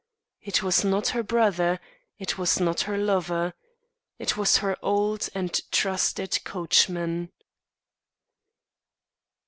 It was not her brother; it was not her lover; it was her old and trusted coachman."